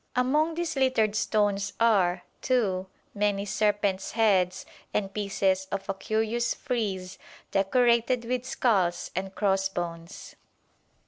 Among these littered stones are, too, many serpents' heads and pieces of a curious frieze decorated with skulls and crossbones.